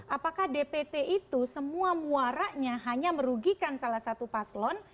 apakah dpt itu semua muaranya hanya merugikan salah satu paslon